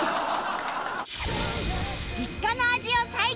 実家の味を再現！！